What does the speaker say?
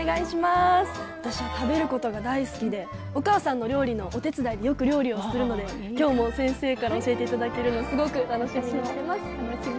私は食べることが大好きでお母さんの料理のお手伝いでいつも料理を作るので今日も先生から教えていただけるのすごく楽しみにしてます。